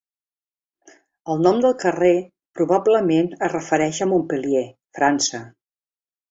El nom del carrer probablement es refereix a Montpellier, França.